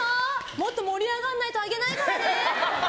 もっと盛り上がらないとあげないからね！